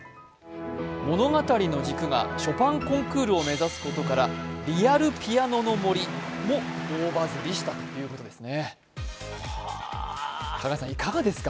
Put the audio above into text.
物語の軸がショパンコンクールを目指すことからリアル「ピアノの森」も大バズりしたということですね。